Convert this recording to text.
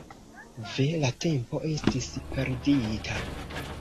Ve, la tempo estis perdita.